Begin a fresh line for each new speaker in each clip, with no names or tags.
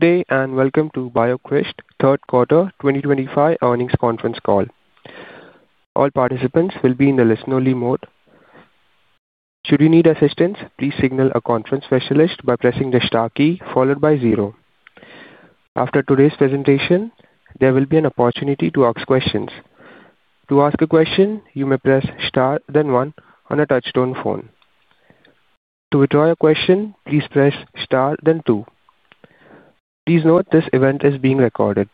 Good day, and welcome to BioCryst Q3 2025 Earnings Conference call. All participants will be in the listen-only mode. Should you need assistance, please signal a conference specialist by pressing the star key followed by zero. After today's presentation, there will be an opportunity to ask questions. To ask a question, you may press star then one on a touch-stone phone. To withdraw a question, please press star then two. Please note this event is being recorded.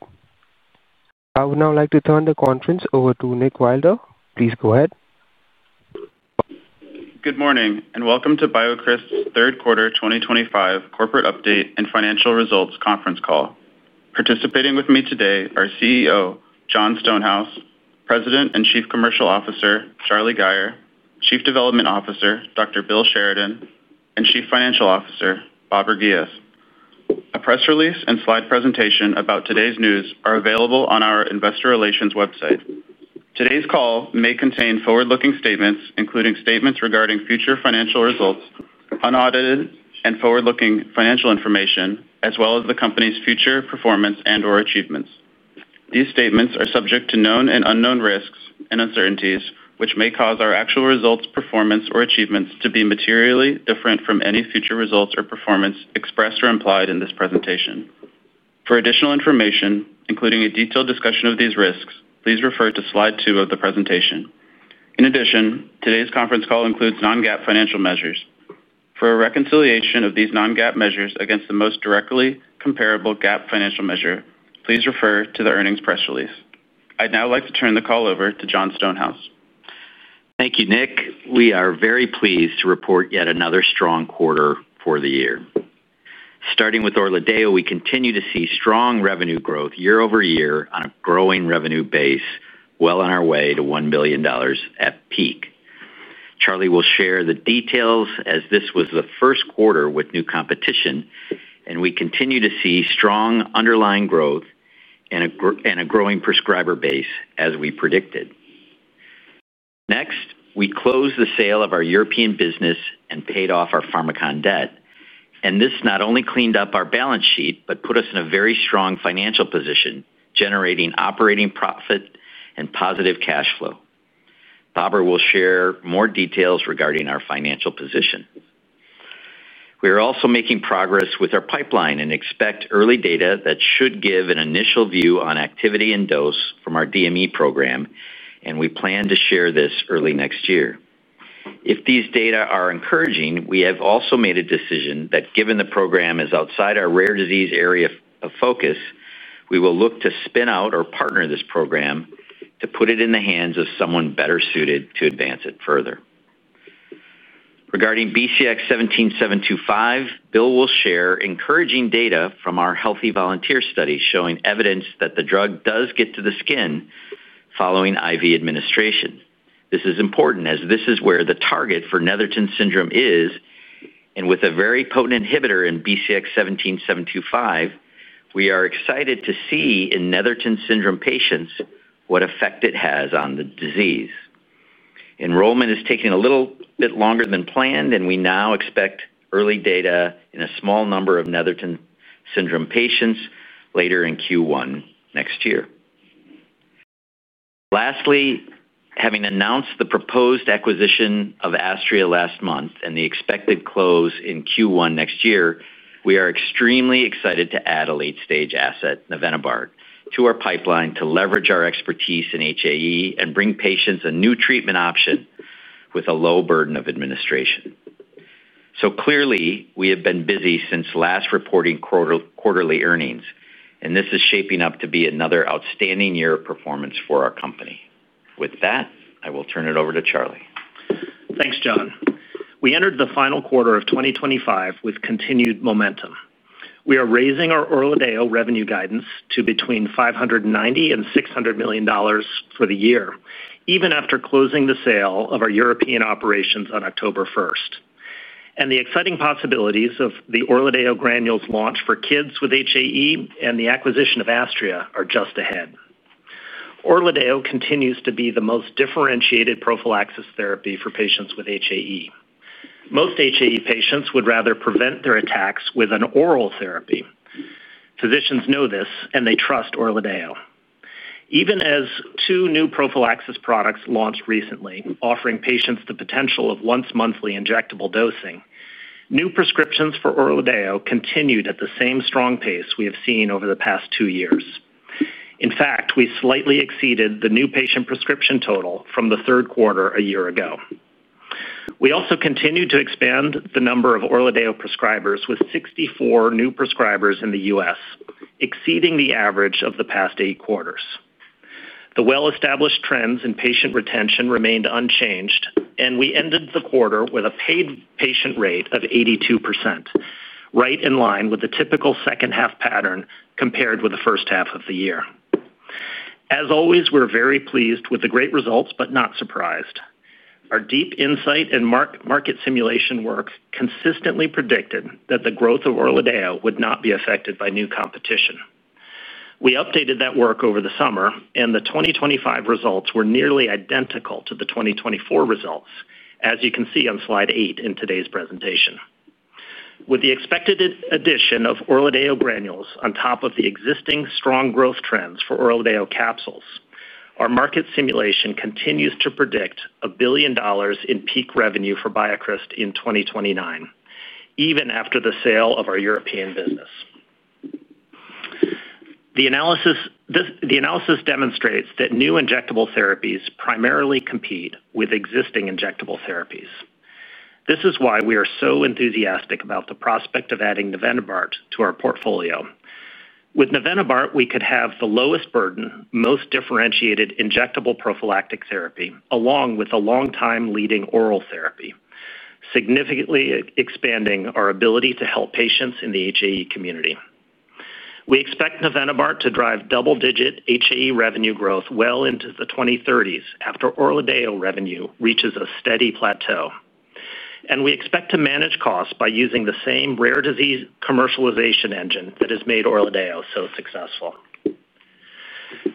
I would now like to turn the conference over to Nick Wilder. Please go ahead.
Good morning, and welcome to BioCryst Q3 2025 Corporate Update and Financial Results Conference Call. Participating with me today are CEO John Stonehouse, President and Chief Commercial Officer Charlie Gayer, Chief Development Officer Dr. Bill Sheridan, and Chief Financial Officer Babar Ghias. A press release and slide presentation about today's news are available on our Investor Relations website. Today's call may contain forward-looking statements, including statements regarding future financial results, unaudited and forward-looking financial information, as well as the company's future performance and/or achievements. These statements are subject to known and unknown risks and uncertainties, which may cause our actual results, performance, or achievements to be materially different from any future results or performance expressed or implied in this presentation. For additional information, including a detailed discussion of these risks, please refer to Slide Two of the presentation. In addition, today's conference call includes non-GAAP financial measures. For a reconciliation of these non-GAAP measures against the most directly comparable GAAP financial measure, please refer to the earnings press release. I'd now like to turn the call over to John Stonehouse.
Thank you, Nick. We are very pleased to report yet another strong quarter for the year. Starting with ORLADEYO, we continue to see strong revenue growth year over year on a growing revenue base, well on our way to $1 billion at peak. Charlie will share the details, as this was the first quarter with new competition, and we continue to see strong underlying growth and a growing prescriber base as we predicted. Next, we closed the sale of our European business and paid off our pharmacon debt, and this not only cleaned up our balance sheet but put us in a very strong financial position, generating operating profit and positive cash flow. Babar will share more details regarding our financial position. We are also making progress with our pipeline and expect early data that should give an initial view on activity and dose from our DME program, and we plan to share this early next year. If these data are encouraging, we have also made a decision that, given the program is outside our rare-disease area of focus, we will look to spin out or partner this program to put it in the hands of someone better suited to advance it further. Regarding BCX-17725, Bill will share encouraging data from our healthy volunteer study showing evidence that the drug does get to the skin following IV administration. This is important as this is where the target for Netherton syndrome is. With a very potent inhibitor in BCX-17725, we are excited to see in Netherton syndrome patients what effect it has on the disease. Enrollment is taking a little bit longer than planned, and we now expect early data in a small number of Netherton syndrome patients later in Q1 next year. Lastly, having announced the proposed acquisition of Astria Pharmaceuticals last month and the expected close in Q1 next year, we are extremely excited to add a late-stage asset, nevenobart, to our pipeline to leverage our expertise in heredity angioedema (HAE) and bring patients a new treatment option with a low burden of administration. Clearly, we have been busy since last reporting quarterly earnings, and this is shaping up to be another outstanding year of performance for our company. With that, I will turn it over to Charlie.
Thanks, John. We entered the final quarter of 2025 with continued momentum. We are raising our Orladeyo revenue guidance to between $590 million and $600 million for the year, even after closing the sale of our European operations on October 1. The exciting possibilities of the Orladeyo Granules launch for kids with HAE and the acquisition of Astria are just ahead. Orladeyo continues to be the most differentiated prophylactic therapy for patients with HAE. Most HAE patients would rather prevent their attacks with an oral therapy. Physicians know this, and they trust Orladeyo. Even as two new prophylactic products launched recently, offering patients the potential of once-monthly injectable dosing, new prescriptions for Orladeyo continued at the same strong pace we have seen over the past two years. In fact, we slightly exceeded the new patient prescription total from the third quarter a year ago. We also continued to expand the number of Orladeyo prescribers with 64 new prescribers in the U.S., exceeding the average of the past eight quarters. The well-established trends in patient retention remained unchanged, and we ended the quarter with a paid patient rate of 82%, right in line with the typical second-half pattern compared with the first half of the year. As always, we're very pleased with the great results but not surprised. Our deep insight and market simulation work consistently predicted that the growth of Orladeyo would not be affected by new competition. We updated that work over the summer, and the 2025 results were nearly identical to the 2024 results, as you can see on Slide Eight in today's presentation. With the expected addition of Orladeyo Granules on top of the existing strong growth trends for Orladeyo Capsules, our market simulation continues to predict $1 billion in peak revenue for BioCryst in 2029, even after the sale of our European business. The analysis demonstrates that new injectable therapies primarily compete with existing injectable therapies. This is why we are so enthusiastic about the prospect of adding nevenobart to our portfolio. With nevenobart, we could have the lowest burden, most differentiated injectable prophylactic therapy, along with a long-time leading oral therapy, significantly expanding our ability to help patients in the HAE community. We expect nevenobart to drive double-digit HAE revenue growth well into the 2030s after Orladeyo revenue reaches a steady plateau. We expect to manage costs by using the same rare disease commercialization engine that has made Orladeyo so successful.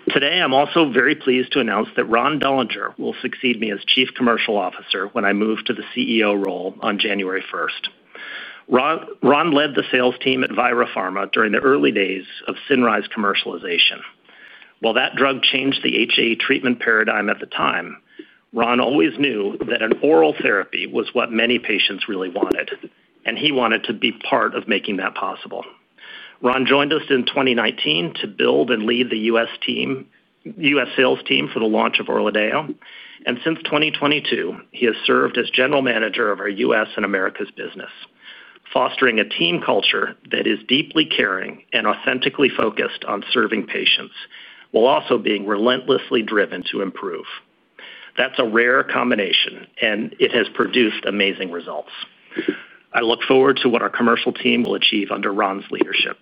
Today, I'm also very pleased to announce that Ron Dellinger will succeed me as Chief Commercial Officer when I move to the CEO role on January 1. Ron led the sales team at ViraPharma during the early days of Cinryze commercialization. While that drug changed the HAE treatment paradigm at the time, Ron always knew that an oral therapy was what many patients really wanted, and he wanted to be part of making that possible. Ron joined us in 2019 to build and lead the U.S. sales team for the launch of Orladeyo, and since 2022, he has served as general manager of our U.S. and Americas business. Fostering a team culture that is deeply caring and authentically focused on serving patients while also being relentlessly driven to improve is a rare combination, and it has produced amazing results. I look forward to what our commercial team will achieve under Ron's leadership.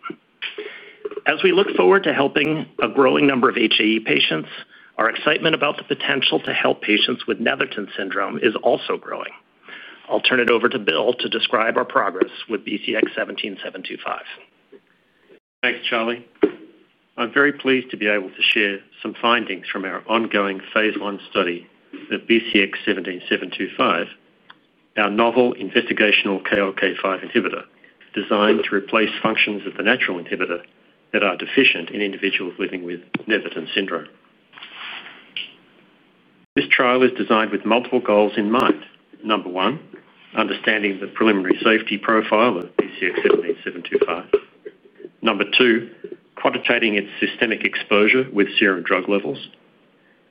As we look forward to helping a growing number of HAE patients, our excitement about the potential to help patients with Netherton syndrome is also growing. I'll turn it over to Bill to describe our progress with BCX-17725.
Thanks, Charlie. I'm very pleased to be able to share some findings from our ongoing Phase 1 study of BCX-17725. Our novel investigational KLK5 inhibitor designed to replace functions of the natural inhibitor that are deficient in individuals living with Netherton Syndrome. This trial is designed with multiple goals in mind. Number one, understanding the preliminary safety profile of BCX-17725. Number two, quantitating its systemic exposure with serum drug levels.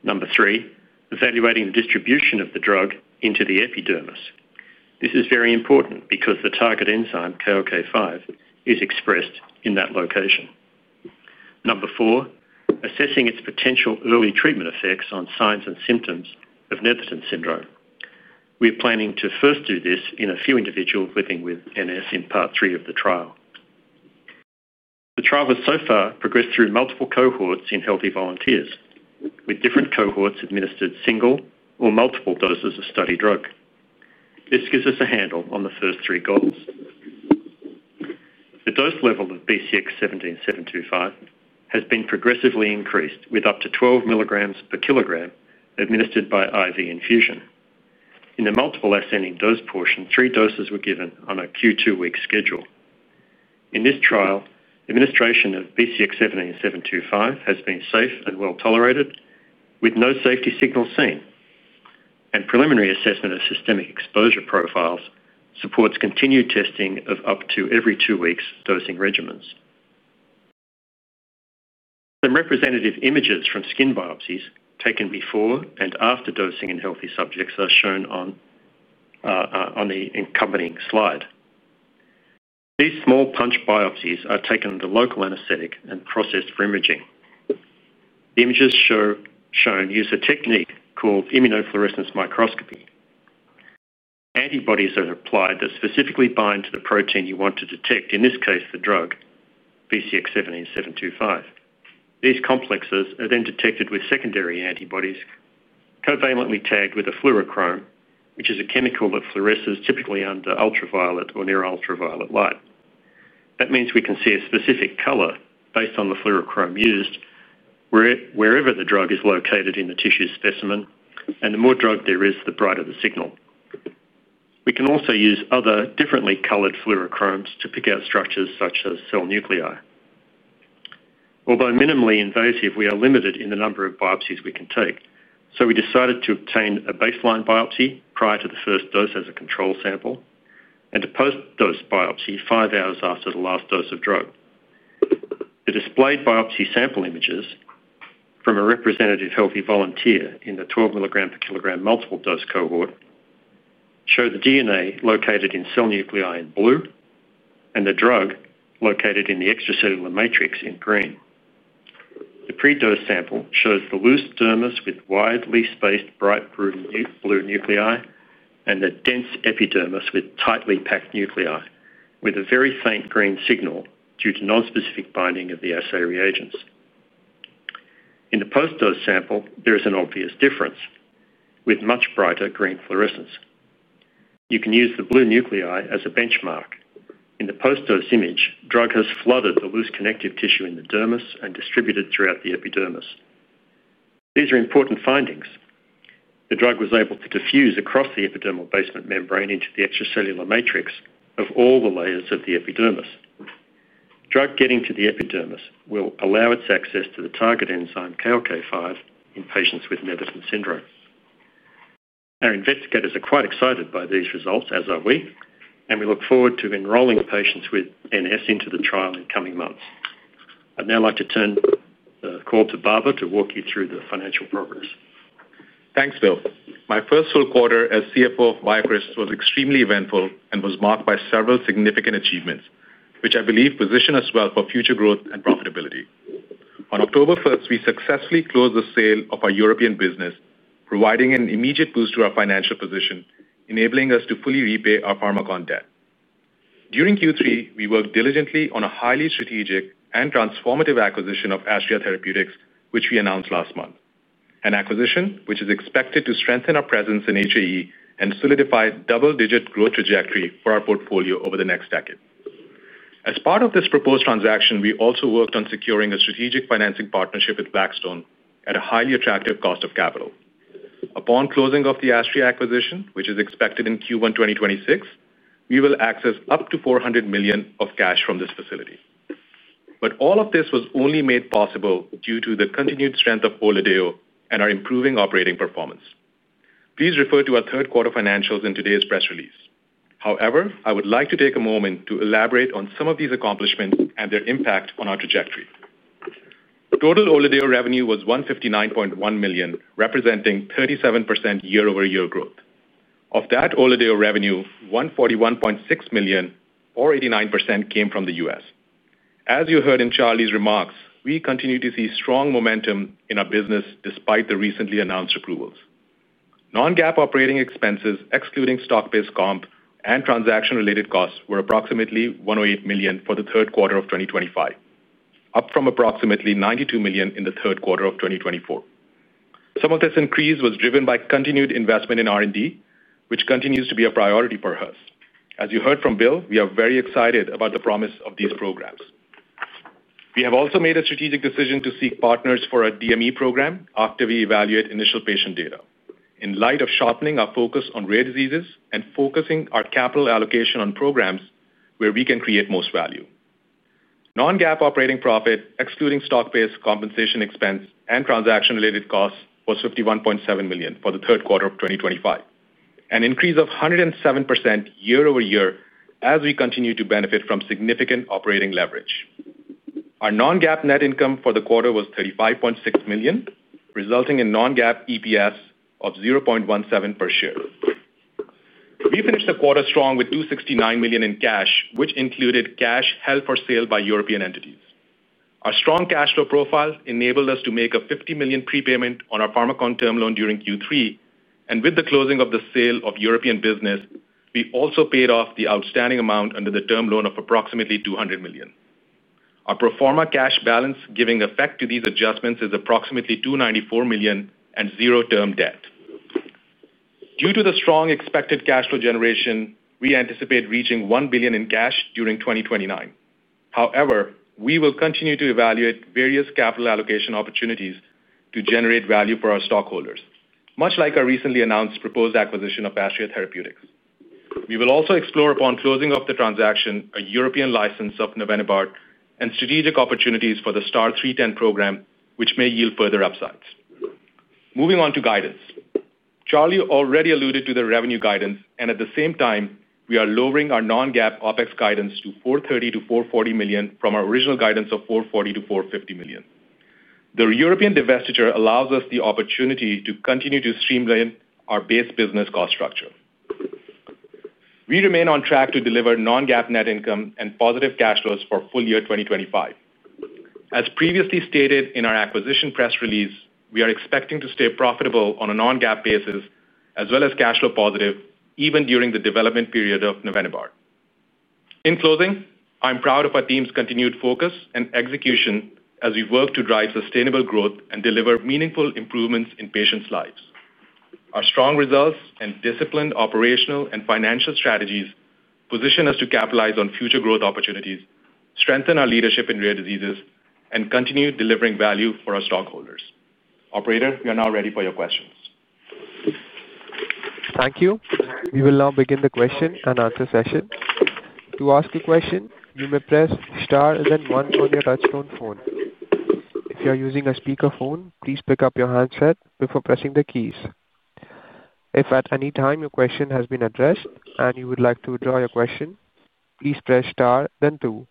Number three, evaluating the distribution of the drug into the epidermis. This is very important because the target enzyme, KLK5, is expressed in that location. Number four, assessing its potential early treatment effects on signs and symptoms of Netherton Syndrome. We are planning to first do this in a few individuals living with NS in part three of the trial. The trial has so far progressed through multiple cohorts in healthy volunteers, with different cohorts administered single or multiple doses of study drug. This gives us a handle on the first three goals. The dose level of BCX-17725 has been progressively increased with up to 12 mg/kg administered by IV infusion. In the multiple-ascending dose portion, three doses were given on a Q2-week schedule. In this trial, administration of BCX-17725 has been safe and well tolerated, with no safety signals seen. Preliminary assessment of systemic exposure profiles supports continued testing of up to every two weeks dosing regimens. Some representative images from skin biopsies taken before and after dosing in healthy subjects are shown on the accompanying slide. These small punch biopsies are taken under local anesthetic and processed for imaging. The images shown use a technique called immunofluorescence microscopy. Antibodies are applied that specifically bind to the protein you want to detect, in this case, the drug, BCX-17725. These complexes are then detected with secondary antibodies, covalently tagged with a fluorochrome, which is a chemical that fluoresces typically under ultraviolet or near ultraviolet light. That means we can see a specific color based on the fluorochrome used wherever the drug is located in the tissue specimen, and the more drug there is, the brighter the signal. We can also use other differently colored fluorochromes to pick out structures such as cell nuclei. Although minimally invasive, we are limited in the number of biopsies we can take, so we decided to obtain a baseline biopsy prior to the first dose as a control sample and a post-dose biopsy five hours after the last dose of drug. The displayed biopsy sample images from a representative healthy volunteer in the 12 mg/kg multiple-dose cohort show the DNA located in cell nuclei in blue and the drug located in the extracellular matrix in green. The pre-dose sample shows the loose dermis with widely spaced bright blue nuclei and the dense epidermis with tightly packed nuclei, with a very faint green signal due to nonspecific binding of the assay reagents. In the post-dose sample, there is an obvious difference, with much brighter green fluorescence. You can use the blue nuclei as a benchmark. In the post-dose image, drug has flooded the loose connective tissue in the dermis and distributed throughout the epidermis. These are important findings. The drug was able to diffuse across the epidermal basement membrane into the extracellular matrix of all the layers of the epidermis. Drug getting to the epidermis will allow its access to the target enzyme KLK5 in patients with Netherton Syndrome. Our investigators are quite excited by these results, as are we, and we look forward to enrolling patients with Netherton Syndrome (NS) into the trial in coming months. I'd now like to turn the call to Babar to walk you through the financial progress.
Thanks, Bill. My first full quarter as CFO of BioCryst was extremely eventful and was marked by several significant achievements, which I believe position us well for future growth and profitability. On October 1, we successfully closed the sale of our European business, providing an immediate boost to our financial position, enabling us to fully repay our Pharmakon debt. During Q3, we worked diligently on a highly strategic and transformative acquisition of Astria Therapeutics, which we announced last month, an acquisition which is expected to strengthen our presence in HAE and solidify a double-digit growth trajectory for our portfolio over the next decade. As part of this proposed transaction, we also worked on securing a strategic financing partnership with Blackstone at a highly attractive cost of capital. Upon closing of the Astria acquisition, which is expected in Q1 2026, we will access up to $400 million of cash from this facility. All of this was only made possible due to the continued strength of Orladeyo and our improving operating performance. Please refer to our third quarter-financials in today's press release. However, I would like to take a moment to elaborate on some of these accomplishments and their impact on our trajectory. Total Orladeyo revenue was $159.1 million, representing 37% year-over-year growth. Of that Orladeyo revenue, $141.6 million, or 89%, came from the U.S. As you heard in Charlie's remarks, we continue to see strong momentum in our business despite the recently announced approvals. Non-GAAP operating expenses, excluding stock-based comp and transaction-related costs, were approximately $108 million for the third quarter of 2025, up from approximately $92 million in the third quarter of 2024. Some of this increase was driven by continued investment in R&D, which continues to be a priority for us. As you heard from Bill, we are very excited about the promise of these programs. We have also made a strategic decision to seek partners for a DME program after we evaluate initial patient data, in light of sharpening our focus on rare diseases and focusing our capital allocation on programs where we can create most value. Non-GAAP operating profit, excluding stock-based compensation expense and transaction-related costs, was $51.7 million for the third quarter of 2025, an increase of 107% year over year as we continue to benefit from significant operating leverage. Our non-GAAP net income for the quarter was $35.6 million, resulting in non-GAAP EPS of $0.17 per share. We finished the quarter strong with $269 million in cash, which included cash held for sale by European entities. Our strong cash flow profile enabled us to make a $50 million prepayment on our Pharmakon term loan during Q3, and with the closing of the sale of European business, we also paid off the outstanding amount under the term loan of approximately $200 million. Our pro forma cash balance, giving effect to these adjustments, is approximately $294 million and zero term debt. Due to the strong expected cash flow generation, we anticipate reaching $1 billion in cash during 2029. However, we will continue to evaluate various capital allocation opportunities to generate value for our stockholders, much like our recently announced proposed acquisition of Astria Therapeutics. We will also explore, upon closing of the transaction, a European license of Nevenobart and strategic opportunities for the STAR-310 program, which may yield further upsides. Moving on to guidance, Charlie already alluded to the revenue guidance, and at the same time, we are lowering our non-GAAP OPEX guidance to $430-$440 million from our original guidance of $440-$450 million. The European divestiture allows us the opportunity to continue to streamline our base business cost structure. We remain on track to deliver non-GAAP net income and positive cash flows for full year 2025. As previously stated in our acquisition press release, we are expecting to stay profitable on a non-GAAP basis as well as cash flow positive, even during the development period of nevenobart. In closing, I'm proud of our team's continued focus and execution as we work to drive sustainable growth and deliver meaningful improvements in patients' lives. Our strong results and disciplined operational and financial strategies position us to capitalize on future growth opportunities, strengthen our leadership in rare diseases, and continue delivering value for our stockholders. Operator, we are now ready for your questions.
Thank you. We will now begin the question and answer session. To ask a question, you may press star and followed by one on your touchscreen phone. If you are using a speakerphone, please pick up your handset before pressing the keys. If at any time your question has been addressed and you would like to withdraw your question, please press star then two.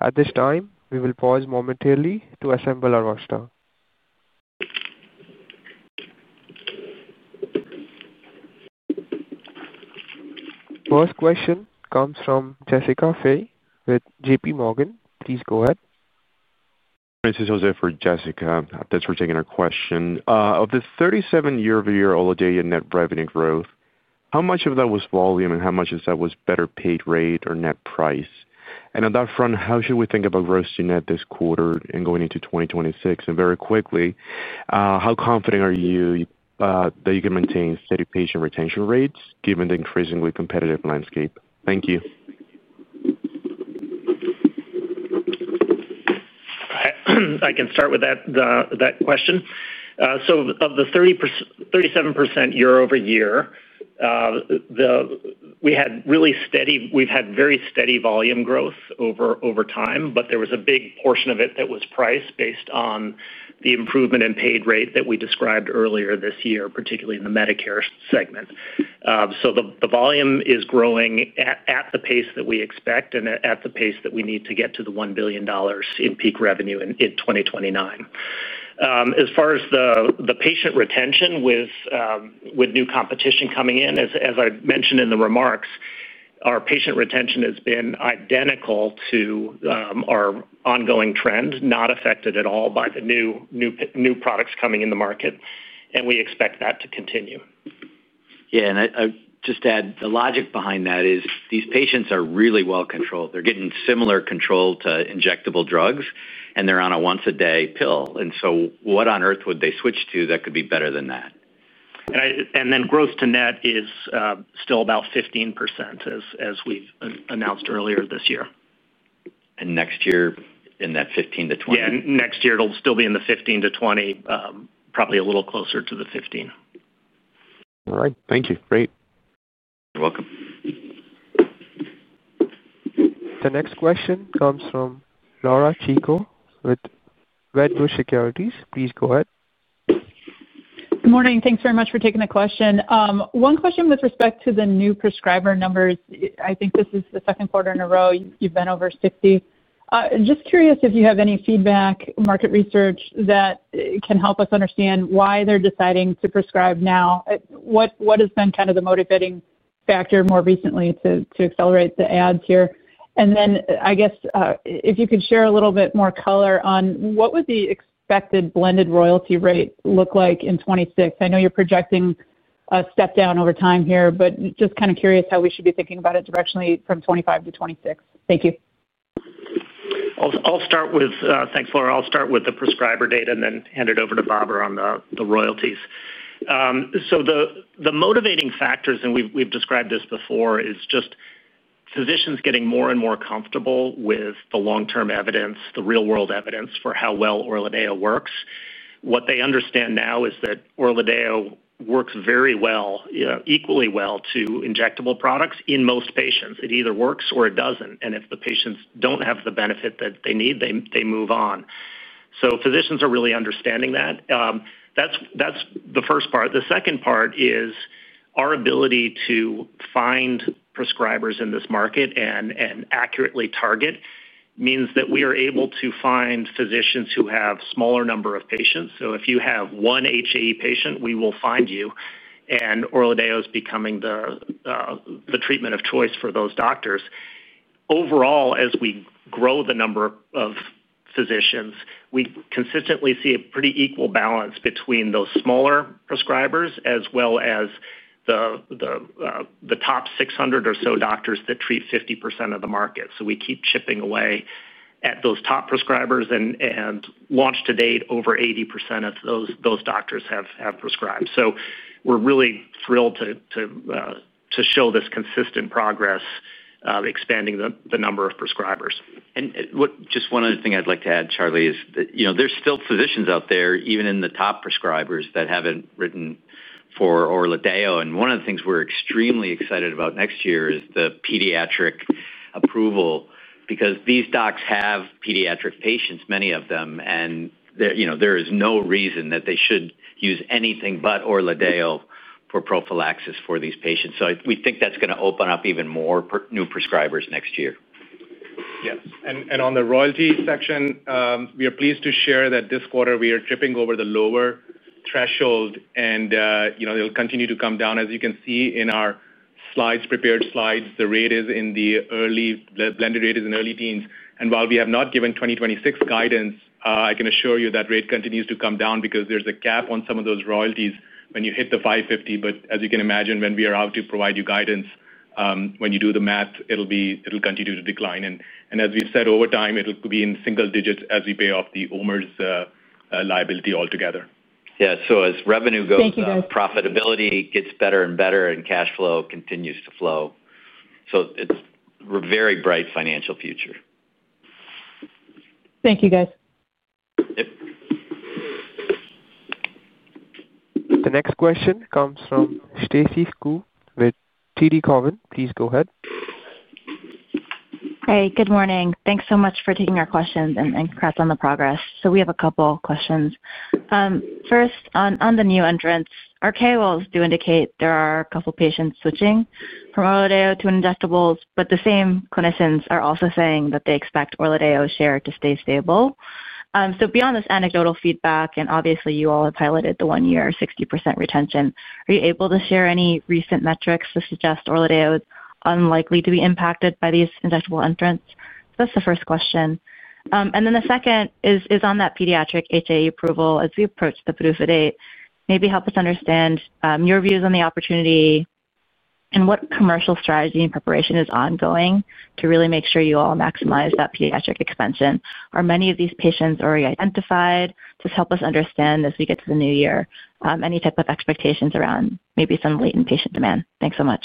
At this time, we will pause momentarily to assemble our roster. First question comes from Jessica Fay with JPMorgan. Please go ahead.
Thanks, José, for Jessica. Thanks for taking our question. Of the 37% year-over-year Orladeyo net revenue growth, how much of that was volume and how much of that was better paid rate or net price? On that front, how should we think about grossing trends this quarter and going into 2026? Very quickly, how confident are you that you can maintain steady patient retention rates given the increasingly competitive landscape? Thank you.
I can start with that question. Of the 37% year-over-year growth, we had really steady—we've had very steady volume growth over time, but there was a big portion of it that was priced based on the improvement in paid rate that we described earlier this year, particularly in the Medicare segment. The volume is growing at the pace that we expect and at the pace that we need to get to the $1 billion in peak revenue in 2029. As far as the patient retention with new competition coming in, as I mentioned in the remarks, our patient retention has been identical to our ongoing trend, not affected at all by the new products coming in the market, and we expect that to continue.
Yeah, and I would just add the logic behind that is these patients are really well controlled. They're getting similar control to injectable drugs, and they're on a once-a-day pill. What on earth would they switch to that could be better than that?
Gross to net is still about 15%, as we've announced earlier this year.
Next year in that 15%-20%?
Yeah, next year it'll still be in the 15%-20%, probably a little closer to the 15%.
All right. Thank you. Great.
You're welcome.
The next question comes from Laura Chico with Redbush Securities. Please go ahead.
Good morning. Thanks very much for taking the question. One question with respect to the new prescriber numbers. I think this is the second quarter in a row you've been over 60. Just curious if you have any feedback, market research that can help us understand why they're deciding to prescribe now. What has been kind of the motivating factor more recently to accelerate the ads here? If you could share a little bit more color on what would the expected blended royalty rate look like in 2026—I know you're projecting a step-down over time—but just kind of curious how we should be thinking about it directionally from 2025 to 2026. Thank you.
I'll start with—thanks, Laura. I'll start with the prescriber data and then hand it over to Babar on the royalties. The motivating factors—and we've described this before—is just physicians getting more and more comfortable with the long-term evidence, the real-world evidence for how well Orladeyo works. What they understand now is that Orladeyo works very well, equally well to injectable products in most patients. It either works or it doesn't—if the patients don't have the benefit that they need, they move on. Physicians are really understanding that. That's the first part. The second part is our ability to find prescribers in this market and accurately target means that we are able to find physicians who have a smaller number of patients. If you have one HAE patient, we will find you, and ORLADEYO is becoming the treatment of choice for those doctors. Overall, as we grow the number of physicians, we consistently see a pretty equal balance between those smaller prescribers as well as the top 600 or so doctors that treat 50% of the market. We keep chipping away at those top prescribers and launch to date over 80% of those doctors have prescribed. We're really thrilled to show this consistent progress expanding the number of prescribers.
Just one other thing I'd like to add, Charlie, is that there's still physicians out there, even in the top prescribers, that haven't written for ORLADEYO. One of the things we're extremely excited about next year is the pediatric approval because these docs have pediatric patients, many of them, and there is no reason that they should use anything but ORLADEYO for prophylaxis for these patients. We think that's going to open up even more new prescribers next year.
Yes. On the royalty section, we are pleased to share that this quarter we are tripping over the lower threshold, and it'll continue to come down. As you can see in our prepared slides, the rate is in the early—the blended rate is in early teens. While we have not given 2026 guidance, I can assure you that rate continues to come down because there is a cap on some of those royalties when you hit the $550. As you can imagine, when we are out to provide you guidance, when you do the math, it'll continue to decline. As we've said, over time, it'll be in single digits as we pay off the OMERS liability altogether.
Yeah. As revenue goes up.
Thank you, guys.
Profitability gets better and better, and cash flow continues to flow. It is a very bright financial future.
Thank you, guys.
Yep. The next question comes from Stacy Ku with TD Cowen. Please go ahead.
Hey, good morning. Thanks so much for taking our questions and cracking on the progress. We have a couple of questions. First, on the new entrants, our KOLs do indicate there are a couple of patients switching from ORLADEYO to injectables, but the same clinicians are also saying that they expect ORLADEYO's share to stay stable. Beyond this anecdotal feedback, and obviously, you all have highlighted the one-year 60% retention, are you able to share any recent metrics to suggest ORLADEYO is unlikely to be impacted by these injectable entrants? That is the first question. The second is on that pediatric HAE approval as we approach the proof of(PDUFA) date. Maybe help us understand your views on the opportunity. What commercial strategy and preparation is ongoing to really make sure you all maximize that pediatric expansion? Are many of these patients already identified? Help us understand as we get to the new year any type of expectations around maybe some latent patient demand. Thanks so much.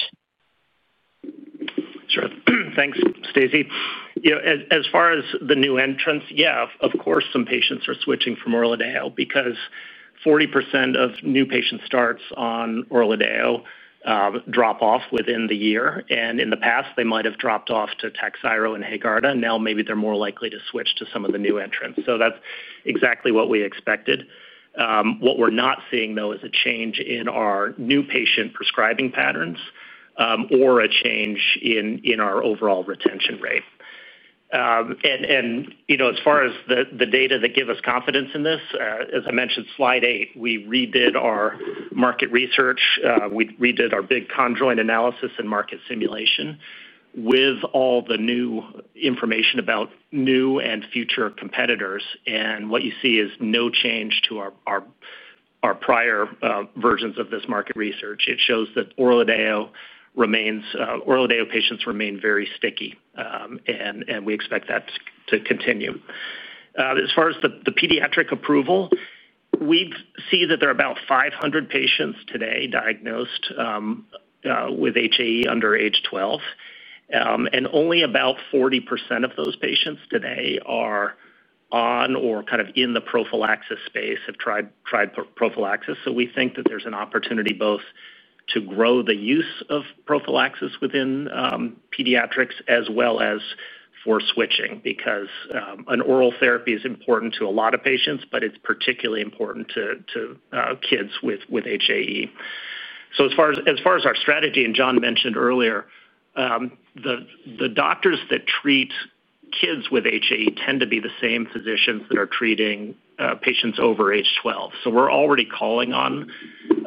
Sure. Thanks, Stacy. As far as the new entrants, yeah, of course, some patients are switching from ORLADEYO because 40% of new patient starts on ORLADEYO drop off within the year. In the past, they might have dropped off to TAKHZYRO and HAEGARDA. Now, maybe they're more likely to switch to some of the new entrants. That is exactly what we expected. What we're not seeing, though, is a change in our new patient prescribing patterns or a change in our overall retention rate. As far as the data that give us confidence in this, as I mentioned, slide 8, we redid our market research. We redid our big conjoint analysis and market simulation with all the new information about new and future competitors. What you see is no change to our prior versions of this market research. It shows that ORLADEYO patients remain very sticky, and we expect that to continue. As far as the pediatric approval, we see that there are about 500 patients today diagnosed with HAE under age 12. Only about 40% of those patients today are on or kind of in the prophylaxis space, have tried prophylaxis. We think that there is an opportunity both to grow the use of prophylaxis within pediatrics as well as for switching because an oral therapy is important to a lot of patients, but it's particularly important to kids with HAE. As far as our strategy, and John mentioned earlier, the doctors that treat kids with HAE tend to be the same physicians that are treating patients over age 12. We are already calling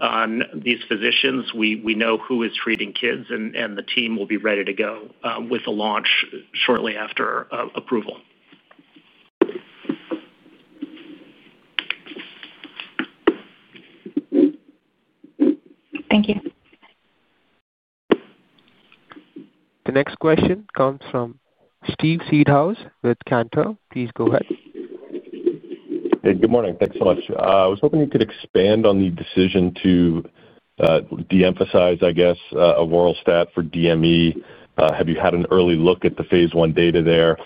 on these physicians. We know who is treating kids, and the team will be ready to go with the launch shortly after approval.
Thank you.
The next question comes from Steven Seedhouse with Canto. Please go ahead.
Good morning. Thanks so much. I was hoping you could expand on the decision to de-emphasize, I guess, ORLADEYO for DME. Have you had an early look at the phase I data there?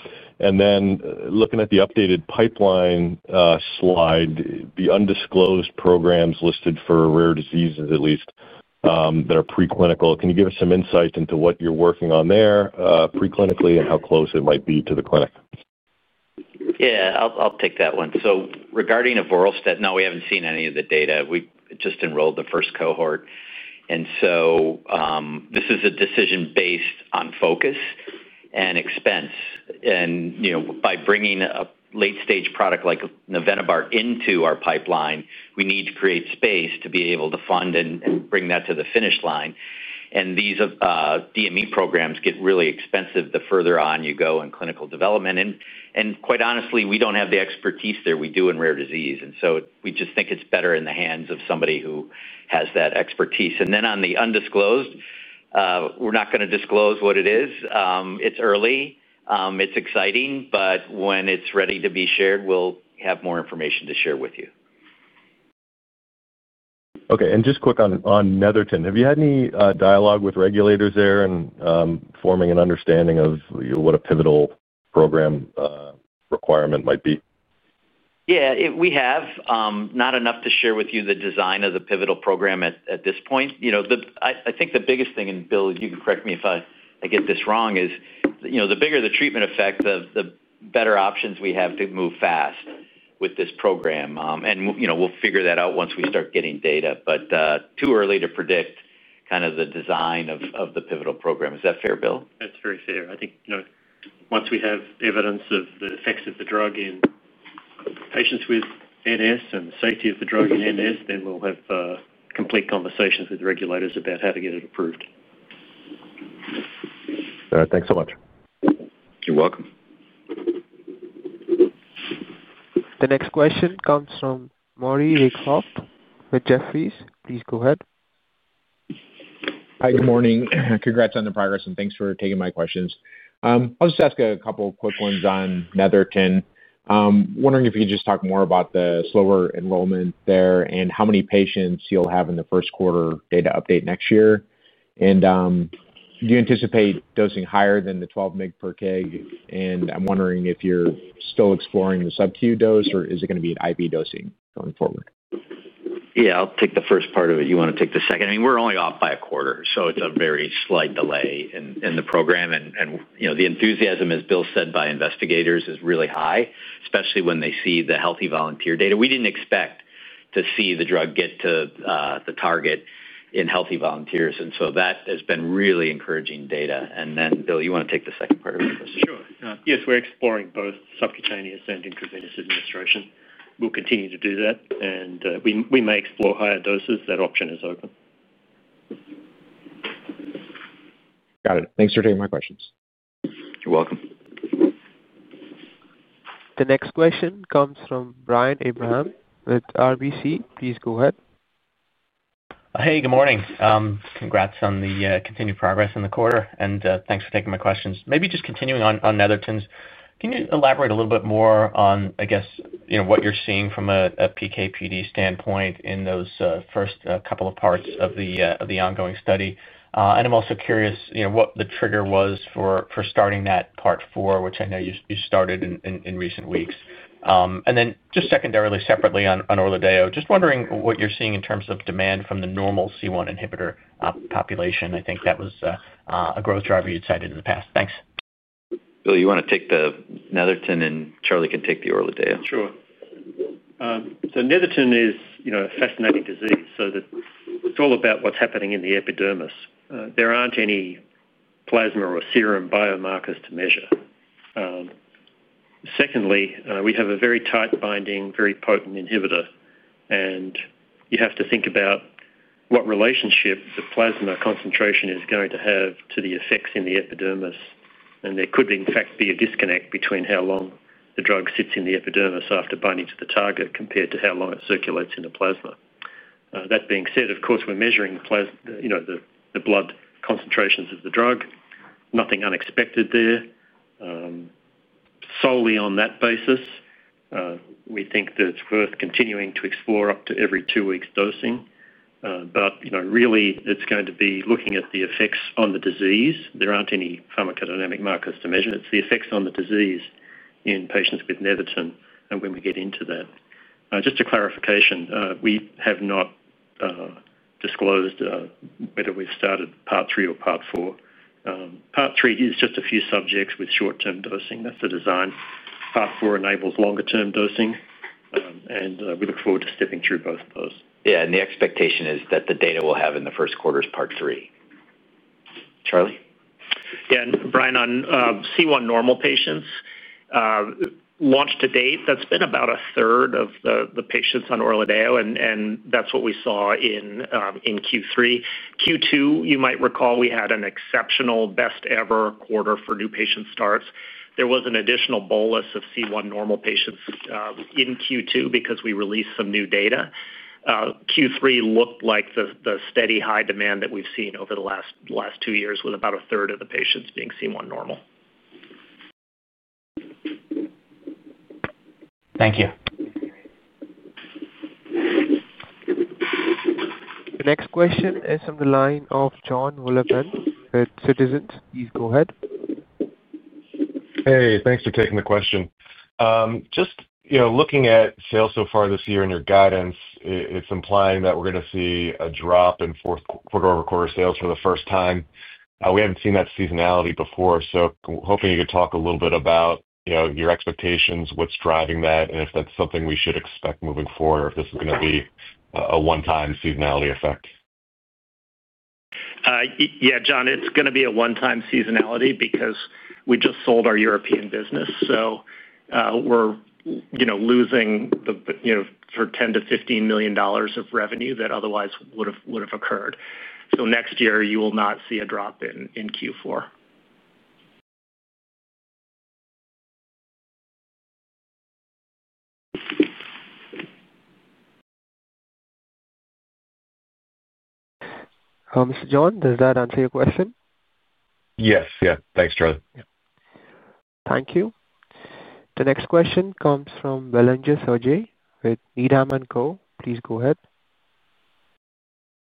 Looking at the updated pipeline slide, the undisclosed programs listed for rare diseases, at least that are preclinical, can you give us some insight into what you're working on there preclinically and how close it might be to the clinic?
Yeah, I'll take that one. Regarding ORLADEYO, no, we haven't seen any of the data. We just enrolled the first cohort. This is a decision based on focus and expense. By bringing a late-stage product like Nevenobart into our pipeline, we need to create space to be able to fund and bring that to the finish line. These DME programs get really expensive the further on you go in clinical development. Quite honestly, we don't have the expertise there. We do in rare disease. We just think it's better in the hands of somebody who has that expertise. On the undisclosed, we're not going to disclose what it is. It's early. It's exciting, but when it's ready to be shared, we'll have more information to share with you.
Okay. And just quick on Netherton, have you had any dialogue with regulators there in forming an understanding of what a pivotal program requirement might be?
Yeah, we have. Not enough to share with you the design of the pivotal program at this point. I think the biggest thing, and Bill, you can correct me if I get this wrong, is the bigger the treatment effect, the better options we have to move fast with this program. We will figure that out once we start getting data, but too early to predict kind of the design of the pivotal program. Is that fair, Bill?
That's very fair. I think once we have evidence of the effects of the drug in patients with NS and the safety of the drug in NS, then we'll have complete conversations with regulators about how to get it approved.
All right. Thanks so much.
You're welcome.
The next question comes from Mauri Rykholt with Jefferies. Please go ahead.
Hi, good morning. Congrats on the progress, and thanks for taking my questions. I'll just ask a couple of quick ones on Netherton. Wondering if you could just talk more about the slower enrollment there and how many patients you'll have in the first quarter data update next year. Do you anticipate dosing higher than the 12 mg/kg? I'm wondering if you're still exploring the sub-Q dose, or is it going to be an IV dosing going forward?
Yeah, I'll take the first part of it. You want to take the second? I mean, we're only off by a quarter, so it's a very slight delay in the program. The enthusiasm, as Bill said, by investigators is really high, especially when they see the healthy volunteer data. We didn't expect to see the drug get to the target in healthy volunteers. That has been really encouraging data. Bill, you want to take the second part of your question?
Sure. Yes, we're exploring both subcutaneous and intravenous administration. We'll continue to do that. We may explore higher doses. That option is open.
Got it. Thanks for taking my questions.
You're welcome.
The next question comes from Brian Abrahams with RBC. Please go ahead.
Hey, good morning. Congrats on the continued progress in the quarter, and thanks for taking my questions. Maybe just continuing on Netherton's, can you elaborate a little bit more on, I guess, what you're seeing from a PK/PD standpoint in those first couple of parts of the ongoing study? I'm also curious what the trigger was for starting that part four, which I know you started in recent weeks. Just secondarily, separately on ORLADEYO, just wondering what you're seeing in terms of demand from the normal C1 inhibitor population. I think that was a growth driver you cited in the past. Thanks.
Bill, you want to take the Netherton, and Charlie can take the ORLADEYO.
Sure. Netherton is a fascinating disease. It is all about what is happening in the epidermis. There are not any plasma or serum biomarkers to measure. Secondly, we have a very tight-binding, very potent inhibitor, and you have to think about what relationship the plasma concentration is going to have to the effects in the epidermis. There could, in fact, be a disconnect between how long the drug sits in the epidermis after binding to the target compared to how long it circulates in the plasma. That being said, of course, we are measuring the blood concentrations of the drug. Nothing unexpected there. Solely on that basis, we think that it is worth continuing to explore up to every two-week dosing. Really, it is going to be looking at the effects on the disease. There are not any pharmacodynamic(PD) markers to measure. It is the effects on the disease in patients with Netherton, and when we get into that. Just a clarification, we have not disclosed whether we have started part three or part four. Part three is just a few subjects with short-term dosing. That is the design. Part four enables longer-term dosing. We look forward to stepping through both of those.
Yeah. The expectation is that the data will have in the first quarter's part three. Charlie?
Yeah. Brian, on C1 normal patients. Launch to date, that's been about a third of the patients on ORLADEYO, and that's what we saw in Q3. Q2, you might recall, we had an exceptional best-ever quarter for new patient starts. There was an additional bolus of C1 normal patients in Q2 because we released some new data. Q3 looked like the steady high demand that we've seen over the last two years, with about a third of the patients being C1 normal.
Thank you.
The next question is on the line of Jonathan Wolleben with Citizens. Please go ahead.
Hey, thanks for taking the question. Just looking at sales so far this year and your guidance, it's implying that we're going to see a drop in fourth-quarter-over-quarter sales for the first time. We haven't seen that seasonality before. Hoping you could talk a little bit about your expectations, what's driving that, and if that's something we should expect moving forward, or if this is going to be a one-time seasonality effect.
Yeah, Jonathan, it's going to be a one-time seasonality because we just sold our European business. We're losing $10-$15 million of revenue that otherwise would have occurred. Next year, you will not see a drop in Q4.
Mr. Jonarhan, does that answer your question?
Yes. Yeah. Thanks, Charlie.
Thank you. The next question comes from Velanja Sergey with Needham and Co. Please go ahead.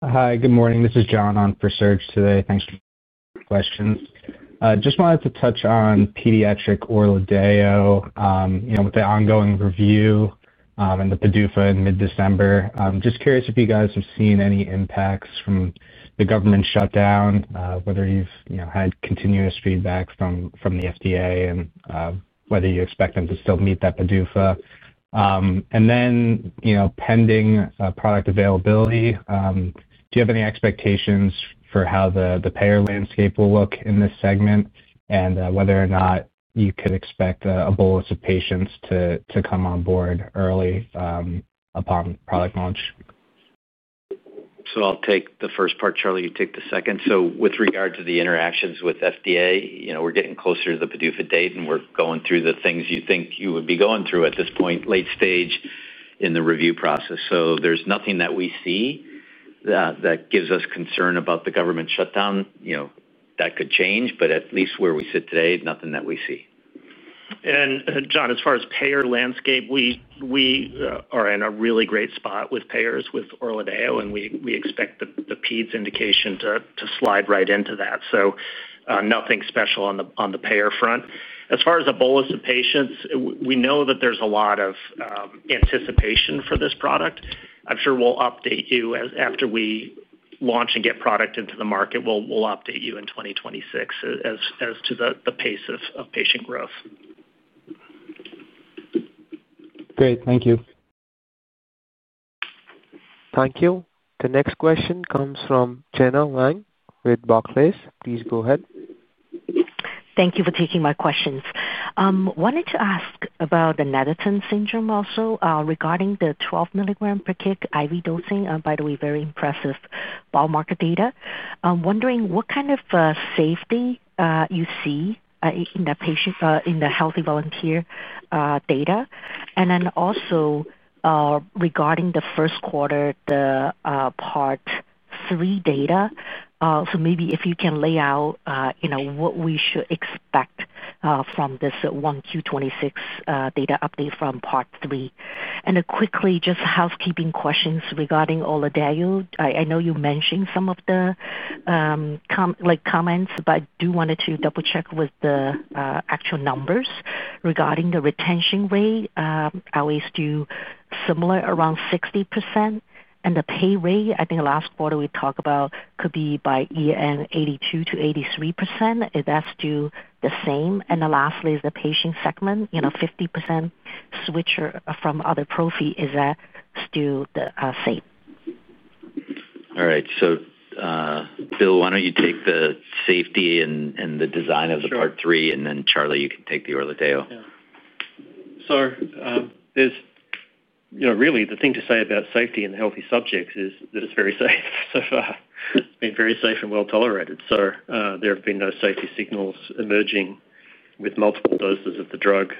Hi, good morning. This is John on for Sergey today. Thanks for your questions. Just wanted to touch on pediatric ORLADEYO with the ongoing review and the PDUFA in mid-December. Just curious if you guys have seen any impacts from the government shutdown, whether you've had continuous feedback from the FDA, and whether you expect them to still meet that PDUFA. Pending product availability, do you have any expectations for how the payer landscape will look in this segment, and whether or not you could expect a bolus of patients to come on board early upon product launch?
I'll take the first part, Charlie. You take the second. With regard to the interactions with FDA, we're getting closer to the PDUFA date, and we're going through the things you think you would be going through at this point, late stage in the review process. There's nothing that we see that gives us concern about the government shutdown. That could change, but at least where we sit today, nothing that we see.
John, as far as payer landscape, we are in a really great spot with payers with ORLADEYO, and we expect the pediatitric indication (PEDS) indication to slide right into that. Nothing special on the payer front. As far as a bolus of patients, we know that there is a lot of anticipation for this product. I'm sure we'll update you after we launch and get product into the market. We'll update you in 2026 as to the pace of patient growth.
Great. Thank you.
Thank you. The next question comes from Jenna Lang with Barclays. Please go ahead.
Thank you for taking my questions. Wanted to ask about the Netherton syndrome also regarding the 12 mg/kg IV dosing. By the way, very impressive biomarker data. I'm wondering what kind of safety you see in the healthy volunteer data. Also, regarding the first quarter, the part three data. Maybe if you can lay out what we should expect from this 1Q26 data update from part three. Quickly, just housekeeping questions regarding ORLADEYO. I know you mentioned some of the comments, but I do want to double-check with the actual numbers regarding the retention rate. I always do similar, around 60%. The pay rate, I think last quarter we talked about could be by 82-83%. Is that still the same? Lastly, is the patient segment 50% switcher from other prophy? Is that still the same?
All right. So, Bill, why don't you take the safety and the design of the part three, and then Charlie, you can take the ORLADEYO.
Yeah. So, really, the thing to say about safety in healthy subjects is that it's very safe so far. It's been very safe and well tolerated. There have been no safety signals emerging with multiple doses of the drug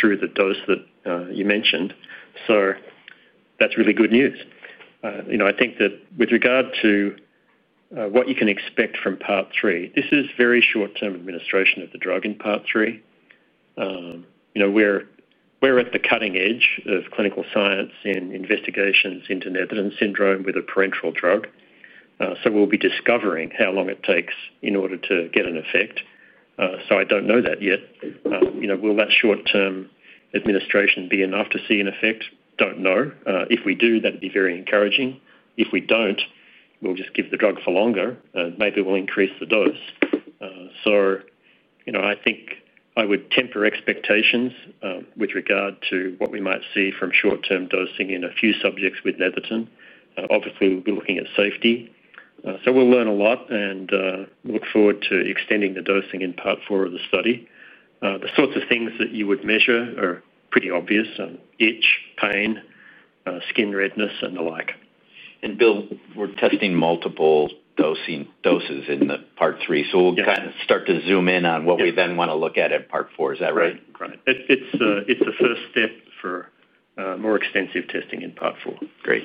through the dose that you mentioned. That's really good news. I think that with regard to what you can expect from part three, this is very short-term administration of the drug in part three. We're at the cutting edge of clinical science in investigations into Netherton syndrome with a parenteral drug. We'll be discovering how long it takes in order to get an effect. I don't know that yet. Will that short-term administration be enough to see an effect? Don't know. If we do, that'd be very encouraging. If we don't, we'll just give the drug for longer, and maybe we'll increase the dose. I think I would temper expectations with regard to what we might see from short-term dosing in a few subjects with Netherton. Obviously, we'll be looking at safety. We'll learn a lot and look forward to extending the dosing in part four of the study. The sorts of things that you would measure are pretty obvious: itch, pain, skin redness, and the like.
Bill, we're testing multiple doses in part three. We'll kind of start to zoom in on what we then want to look at in part four. Is that right?
Right. It's the first step for more extensive testing in part four.
Great.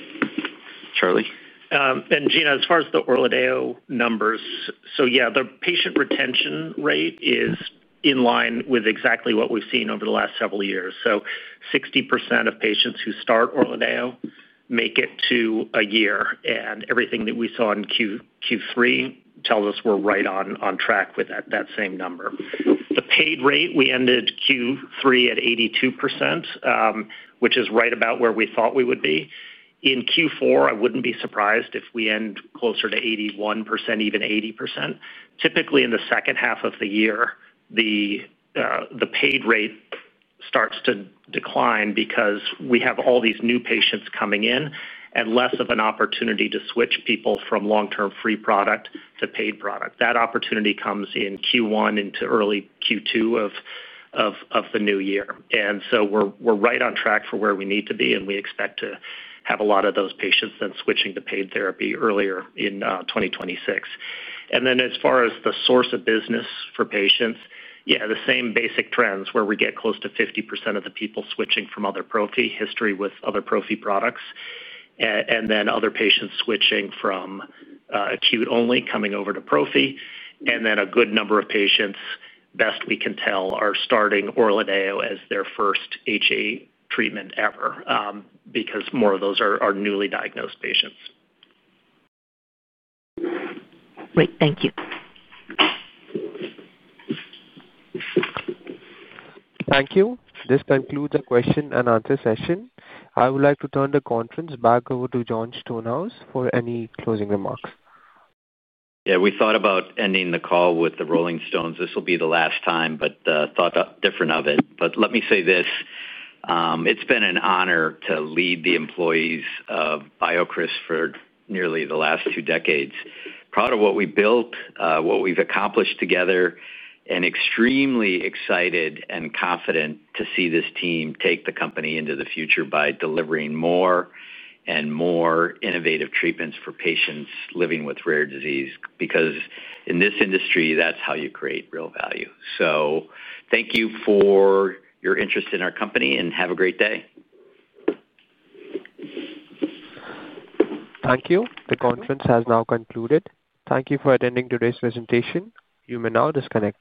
Charlie?
Jenna, as far as the ORLADEYO numbers, yeah, the patient retention rate is in line with exactly what we've seen over the last several years. Sixty percent of patients who start ORLADEYO make it to a year. Everything that we saw in Q3 tells us we're right on track with that same number. The paid rate — we ended Q3 at 82%, which is right about where we thought we would be. In Q4, I wouldn't be surprised if we end closer to 81%, even 80%. Typically, in the second half of the year, the paid rate starts to decline because we have all these new patients coming in and less of an opportunity to switch people from long-term free product to paid product. That opportunity comes in Q1 into early Q2 of the new year. We're right on track for where we need to be, and we expect to have a lot of those patients then switching to paid therapy earlier in 2026. As far as the source of business for patients, yeah, the same basic trends where we get close to 50% of the people switching from other prophy, history with other prophy products, and then other patients switching from acute only, coming over to prophy. A good number of patients, best we can tell, are starting ORLADEYO as their first HAE treatment ever because more of those are newly diagnosed patients.
Great. Thank you. Thank you. This concludes the question-and-answer session. I would like to turn the conference back over to Jon Stonehouse for any closing remarks.
Yeah. We thought about ending the call with the Rolling Stones. This will be the last time, but thought different of it. Let me say this. It's been an honor to lead the employees of BioCryst for nearly the last two decades. Proud of what we built, what we've accomplished together, and extremely excited and confident to see this team take the company into the future by delivering more and more innovative treatments for patients living with rare disease because in this industry, that's how you create real value. Thank you for your interest in our company and have a great day.
Thank you. The conference has now concluded. Thank you for attending today's presentation. You may now disconnect.